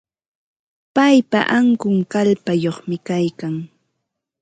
Paypa ankun kallpayuqmi kaykan.